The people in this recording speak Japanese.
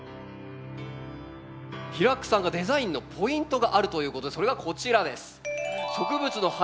平工さんがデザインのポイントがあるということでそれがこちらです。